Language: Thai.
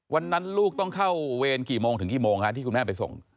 ลูกต้องเข้าเวรกี่โมงถึงกี่โมงที่คุณแม่ไปส่ง